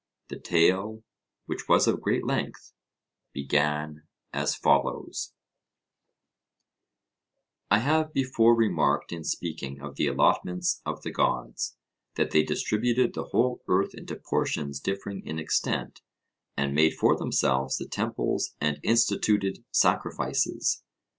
The tale, which was of great length, began as follows: I have before remarked in speaking of the allotments of the gods, that they distributed the whole earth into portions differing in extent, and made for themselves temples and instituted sacrifices.